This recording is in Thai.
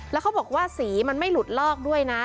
แล้วเขาบอกว่าสีมันไม่หลุดลอกด้วยนะ